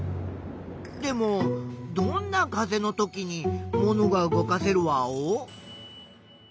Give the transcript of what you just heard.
でもどんな風のときにものが動かせるワオ？